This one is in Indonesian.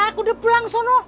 aku udah pulang sono